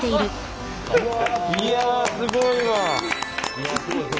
いやすごいわ。